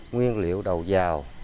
nguyên liệu đầu giao